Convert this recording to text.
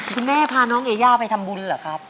คุณแม่พาน้องเอย่าไปทำบุญเหรอครับ